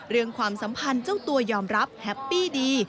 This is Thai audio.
ความสัมพันธ์เจ้าตัวยอมรับแฮปปี้ดี